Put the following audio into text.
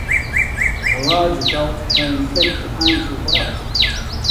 A large adult can inflict a painful bite.